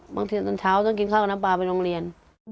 บางทีตอนเช้าต้องกินข้าวกับน้ำปลาไปโรงเรียน